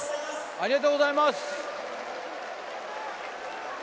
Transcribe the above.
ありがとうございます。